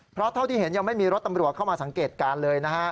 เพราะเท่าที่เห็นยังไม่มีรถตำรวจเข้ามาสังเกตการณ์เลยนะฮะ